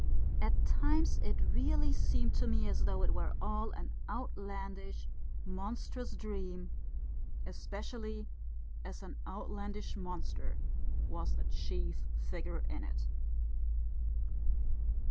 At times it really seemed to me as though it were all an outlandish, monstrous dream, especially as an outlandish monster was the chief figure in it.